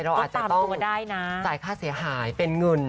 เราอาจจะต้องจ่ายค่าเสียหายเป็นเงิน